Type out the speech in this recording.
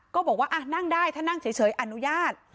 บอกว่านั่งได้ถ้านั่งเฉยอนุญาต